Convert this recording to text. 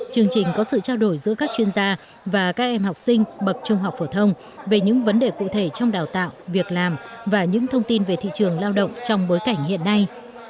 chương trình có sự trao đổi giữa các chuyên gia và các em học sinh bậc trung học phổ thông về những vấn đề cụ thể trong đào tạo việc làm và những thông tin về thị trường lao động trong bối cảnh hiện nay